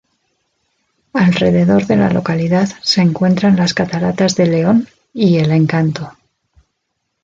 Alrededor de la localidad se encuentran las cataratas de León y El Encanto.